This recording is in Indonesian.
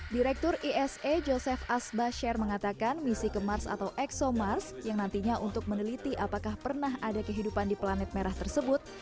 direktur ese joseph asbasher mengatakan misi ke mars atau exomars yang nantinya untuk meneliti apakah pernah ada kehidupan di planet merah tersebut